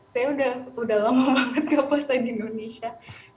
saya udah lama banget gak puasa di indonesia